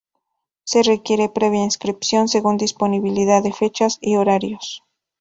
Se requiere previa inscripción según disponibilidad de fechas y horarios.